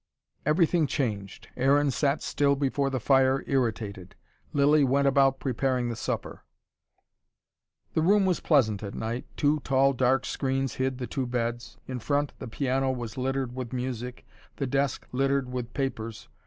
Everything changed. Aaron sat still before the fire, irritated. Lilly went about preparing the supper. The room was pleasant at night. Two tall, dark screens hid the two beds. In front, the piano was littered with music, the desk littered with papers.